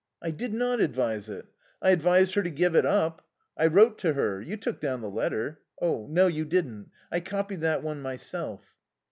"I did not advise it. I advised her to give it up. I wrote to her. You took down the letter.... No, you didn't. I copied that one myself."